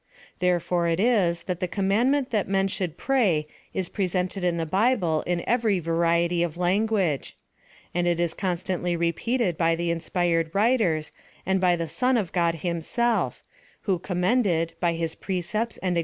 Therefore it is that the commandment that men should pray is presented in the bible in every variety of language ; and it i s constantly re peated by the inspired writers and by the Son of God him'^elf, who commended, by his precepts anr?